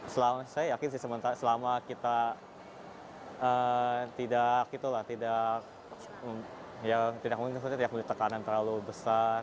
saya yakin sih selama kita tidak memiliki tekanan terlalu besar